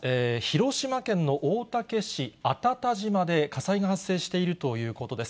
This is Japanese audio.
広島県の大竹市あたた島で火災が発生しているということです。